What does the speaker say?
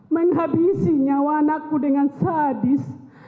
menghabisinya wanakku dengan sadis